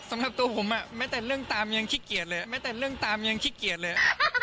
สำหรับตั๋วผมอ่ะแมทชี่ไม่ติดเนื่องตามยังขี้เกียจเลย